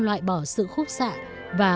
loại bỏ sự khúc xạ và